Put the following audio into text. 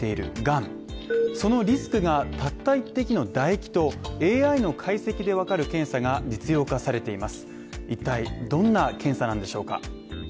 そのリスクがたった１滴の唾液とＡＩの解析でわかる検査が実用化されています。